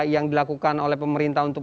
yang dilakukan oleh pemerintah untuk